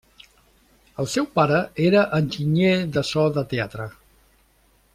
El seu pare era enginyer de so de teatre.